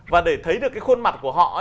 và để thấy được cái khuôn mặt của họ